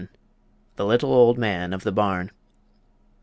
THE LITTLE OLD MAN OF THE BARN.